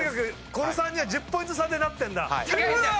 この３人は１０ポイント差になってんだ。